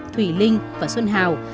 thùy linh và xuân hào